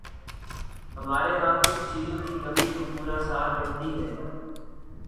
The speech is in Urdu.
ہمارے ہاں کچھ چیزوں کی کمی تو پورا سال رہتی ہے۔